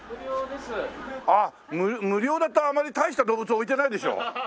ああ無料だとあまり大した動物置いてないでしょ。